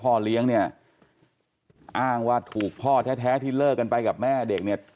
พ่อเลี้ยงเนี่ยอ้างว่าถูกพ่อแท้ที่เลิกกันไปกับแม่เด็กเนี่ย